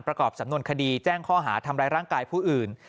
ประกอบสำนวนคดีแจ้งข้อหาทำร้ายร่างกายผู้อื่น